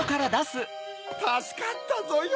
たすかったぞよ